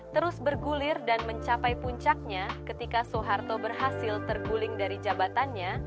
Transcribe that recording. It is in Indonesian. terus bergulir dan mencapai puncaknya ketika soeharto berhasil terguling dari jabatannya